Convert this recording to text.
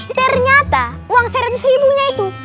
ternyata uang seratus ribunya itu